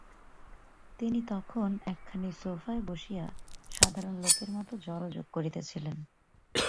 তিনি তখন একখানি সোফায় বসিয়া সাধারণ লোকের মত জলযোগ করিতেছিলেন।